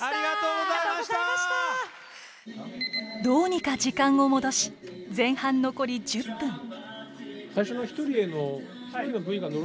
どうにか時間を戻し前半残り１０分。